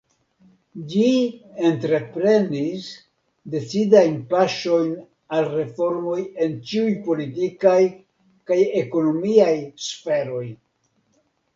Ĝi entreprenis decidajn paŝojn al reformoj en ĉiuj politikaj kaj ekonomiaj sferoj.